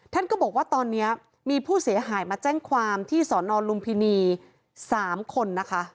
ท่านก็บอกว่าตอนนี้มีผู้เสียหายมาแจ้งความที่สอนอนลุมพินี๓คนนะคะ